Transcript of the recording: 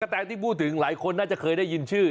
แต่ที่พูดถึงหลายคนน่าจะเคยได้ยินชื่อ